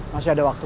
masih ada waktu